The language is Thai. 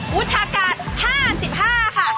วุฒากาศ๕๕ค่ะ